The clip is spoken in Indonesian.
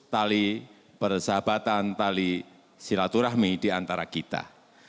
tali persahabatan tali silaturahmi di antara kita